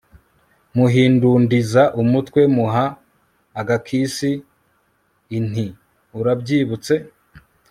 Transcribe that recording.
muhindundiza umutwe muha agakiss inti urabyibutse